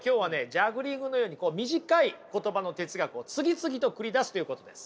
ジャグリングのように短い言葉の哲学を次々と繰り出すということです。